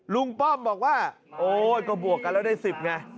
ป้อมบอกว่าโอ๊ยก็บวกกันแล้วได้๑๐ไง